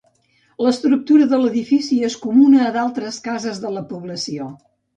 L'estructura de l'edifici és comuna a la d'altres cases de la població.